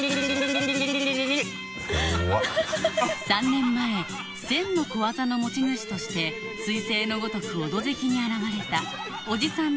３年前１０００の小技の持ち主としてすい星のごとく「オドぜひ」に現れたおじさん